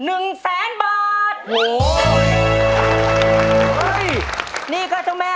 เอามาสู้จ่ะ